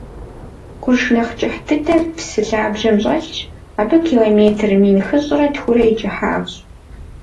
Къурш нэхь кӏыхь дыдэр псы лъабжьэм щӏэлъщ, абы километр мин хыщӏрэ тхурэ и кӏыхьагъщ.